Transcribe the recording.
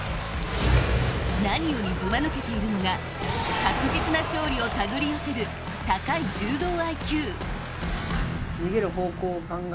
何よりずば抜けているのが確実な勝利をたぐり寄せる高い柔道ＩＱ。